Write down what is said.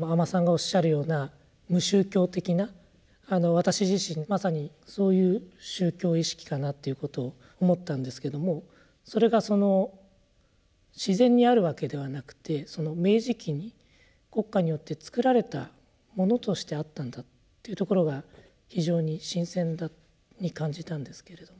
阿満さんがおっしゃるような無宗教的な私自身まさにそういう宗教意識かなということを思ったんですけどもそれがその自然にあるわけではなくて明治期に国家によってつくられたものとしてあったんだというところが非常に新鮮に感じたんですけれども。